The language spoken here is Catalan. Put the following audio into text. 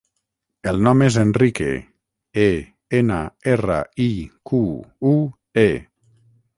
El nom és Enrique: e, ena, erra, i, cu, u, e.